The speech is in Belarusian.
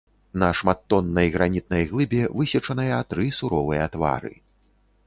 На шматтоннай гранітнай глыбе высечаныя тры суровыя твары.